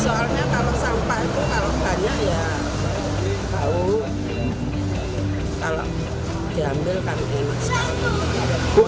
soalnya kalau sampah itu kalau banyak ya bau kalau diambil kan enak sekali